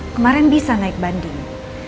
kemarin bisa naik banding